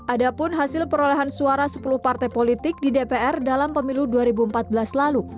ada pun hasil perolehan suara sepuluh partai politik di dpr dalam pemilu dua ribu empat belas lalu